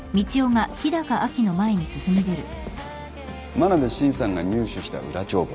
真鍋伸さんが入手した裏帳簿。